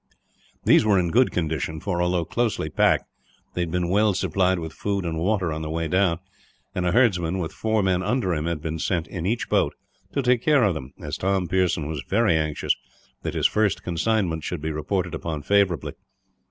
These were in good condition for, although closely packed, they had been well supplied with food and water on the way down; and a herdsman with four men under him had been sent, in each boat, to take care of them, as Tom Pearson was very anxious that his first consignment should be reported upon favourably.